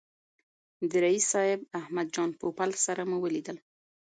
د رییس صاحب احمد جان پوپل سره مو ولیدل.